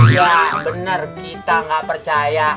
wah bener kita gak percaya